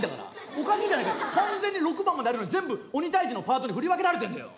おかしいじゃねえか完全に６番まであるのに全部鬼退治のパートに振り分けられてんだよ。